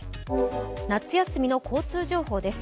夏休みの交通情報です。